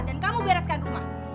dan kamu bereskan rumah